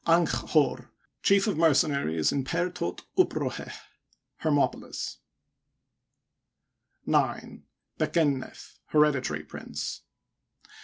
Anck'Hor, Chief of Mercenaries in Per Thot up rO'heh (Hermopolis). 9. Bek en^nef, Hereditary Prince.